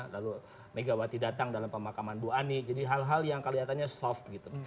lalu megawati datang dalam pemakaman bu ani jadi hal hal yang kelihatannya soft gitu